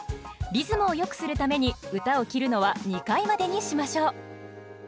リズムをよくするために歌を切るのは２回までにしましょう。